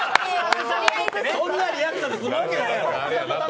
そんなリアクションするわけないやん。